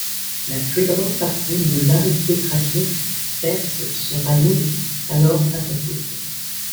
La plus grande partie de l'aristocratie perse se rallie alors à sa cause.